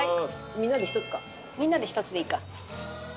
みんなで１つでいいか。